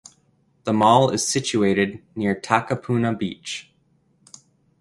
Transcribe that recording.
The mall is situated near Takapuna Beach.